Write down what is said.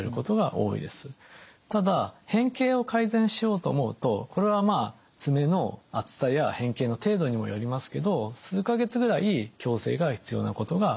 ただ変形を改善しようと思うとこれはまあ爪の厚さや変形の程度にもよりますけど数か月ぐらい矯正が必要なことが多いです。